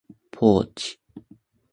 ポーチ、